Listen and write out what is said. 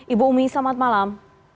ibu umi selamat malam